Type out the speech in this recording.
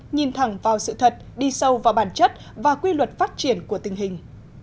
nhìn thẳng vào sự thật đi sâu vào bản chất và quy luật phát triển của tình hình